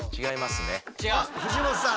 藤本さん